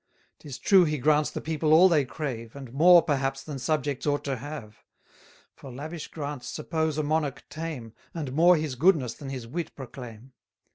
'Tis true he grants the people all they crave; And more perhaps than subjects ought to have: For lavish grants suppose a monarch tame, And more his goodness than his wit proclaim.